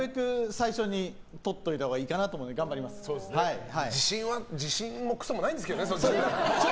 最初に取っておいたほうがいいかなと思って自信もくそもないんですけどね。